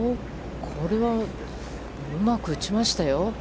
これは、うまく打ちましたよ。